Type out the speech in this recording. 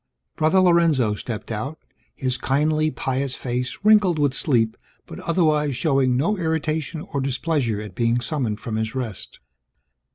Brother Lorenzo stepped out, his kindly pious face wrinkled with sleep but otherwise showing no irritation or displeasure at being summoned from his rest.